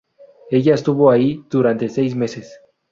Ella estuvo ahí durante seis meses.